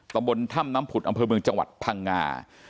ตำบลถ้ำน้ำผุดอำเภอเมืองจังหวัดพังงา